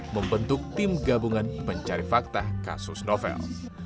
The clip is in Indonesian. membentuk tim gabungan pencari fakta kasus novel